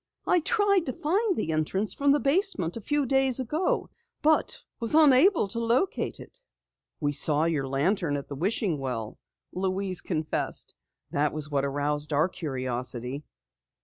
I tried to find the entrance from the basement a few days ago, but was unable to locate it." "We saw you with your lantern at the wishing well," Louise confessed. "That was what aroused our curiosity."